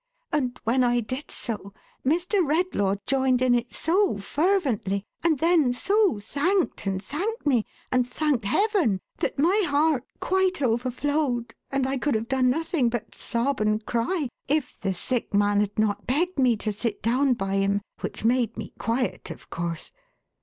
And when I did so, Mr. Redlaw joined in it so fervently, and then so thanked and thanked me, and thanked Heaven, that my heart quite overflowed, and I could have done nothing but sob and cry, if the sick man had not begged me to sit down by him, — which made me quiet of course.